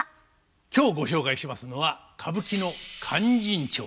今日ご紹介しますのは歌舞伎の「勧進帳」です。